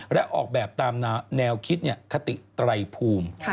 และออกแบบตามแนวคิดคติไตรภูมิ